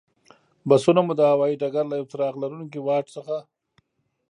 بسونه مو د هوایي ډګر له یوه څراغ لرونکي واټ نه.